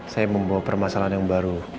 saya membawa permasalahan yang baru